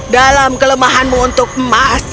dalam kelemahanmu untuk emas